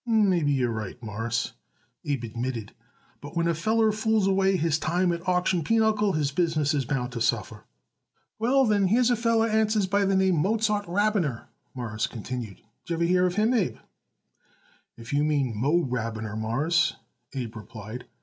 "Maybe you're right, Mawruss," Abe admitted. "But when a feller fools away his time at auction pinochle his business is bound to suffer." "Well, then, here's a feller answers by the name Mozart Rabiner," Morris continued. "Did y'ever hear of him, Abe?" "If you mean Moe Rabiner, Mawruss," Abe replied.